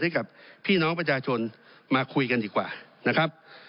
ให้กับพี่น้องประชาชนมาคุยกันดีกว่านะครับ